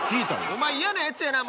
お前嫌なやつやな。